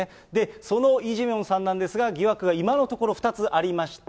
そのイ・ジェミョンさんなんですが、疑惑が今のところ２つありました。